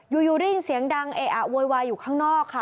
อยู่ได้ยินเสียงดังเออะโวยวายอยู่ข้างนอกค่ะ